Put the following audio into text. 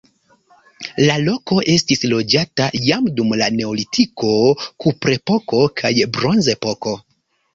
La loko estis loĝata jam dum la neolitiko, kuprepoko kaj bronzepoko.